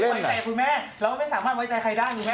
แล้วคุณแม่เราก็ไม่สามารถไว้ใจใครก้าวนิ้วแม่